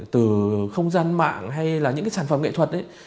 từ không gian mạng hay là những cái sản phẩm nghệ thuật ấy